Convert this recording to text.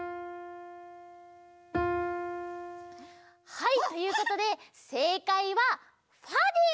はいということでせいかいはファです！